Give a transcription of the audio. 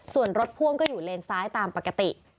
ส่วนรถพ่วงก็อยู่เลนซ้ายตามปกติ